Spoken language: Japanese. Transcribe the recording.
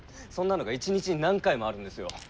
そんなのが一日に何回もあるんですよ。